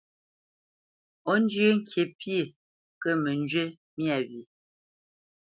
Ó zhyə́ ŋkǐ pyé, kə mə njyé myâ wyê.